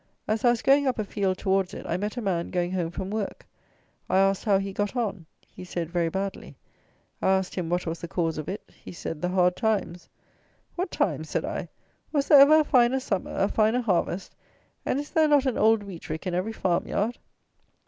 As I was going up a field towards it, I met a man going home from work. I asked how he got on. He said, very badly. I asked him what was the cause of it. He said the hard times. "What times," said I; "was there ever a finer summer, a finer harvest, and is there not an old wheat rick in every farm yard?"